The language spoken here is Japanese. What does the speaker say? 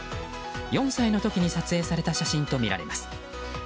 ４歳の時に撮影された写真とみられます。